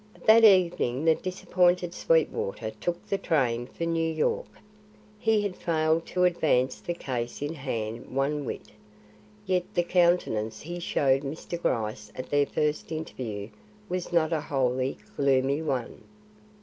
That evening the disappointed Sweetwater took the train for New York. He had failed to advance the case in hand one whit, yet the countenance he showed Mr. Gryce at their first interview was not a wholly gloomy one.